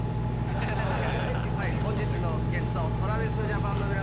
本日のゲストＴｒａｖｉｓＪａｐａｎの皆さん